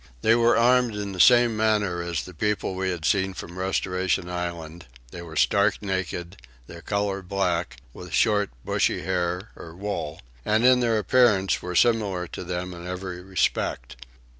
They were armed in the same manner as the people we had seen from Restoration Island; they were stark naked, their colour black, with short bushy hair or wool, and in their appearance were similar to them in every respect.